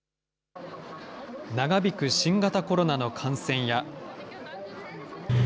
長引く新型コロナの感染や。